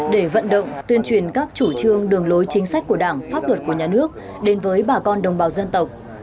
để vận động tuyên truyền các chủ trương đường lối chính sách của đảng pháp luật của nhà nước đến với bà con đồng bào dân tộc